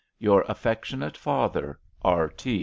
—Your affectionate father,_ "R.